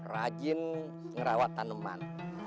rajin ngerawat taneman